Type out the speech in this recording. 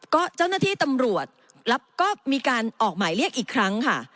ก็เจ้าหน้าที่ตำรวจแล้วก็มีการออกหมายเรียกอีกครั้งค่ะ